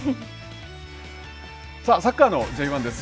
さあ、サッカーのＪ１です。